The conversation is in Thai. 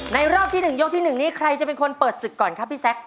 ในรอบที่หนึ่งยกที่หนึ่งนี้ใครจะเปิดศึกก่อนครับพี่สิบ